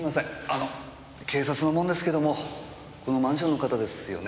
あの警察の者ですけどもこのマンションの方ですよね？